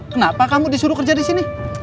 kenapa kamu disuruh kerja di sini